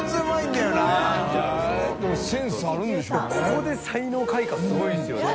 ここで才能開花すごいですよね。